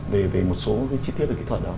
về một số chi tiết về kỹ thuật đó